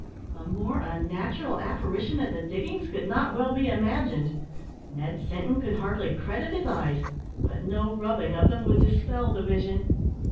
A more unnatural apparition at the diggings could not well be imagined. Ned Sinton could hardly credit his eyes, but no rubbing of them would dispel the vision.